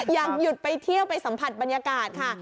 อยากหยุดไปเที่ยวไปสัมผัสบรรยากาศค่ะ